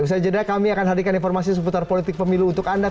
usai jeda kami akan hadirkan informasi seputar politik pemilu untuk anda